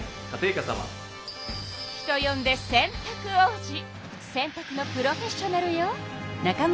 人よんで洗たく王子洗たくのプロフェッショナルよ。